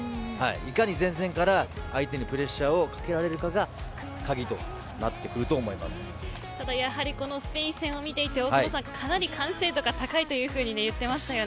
いかに前線から相手にプレッシャーをかけられるかがただ、やはりこのスペイン戦を見ていて大久保さん、かなり完成度が高いと言っていました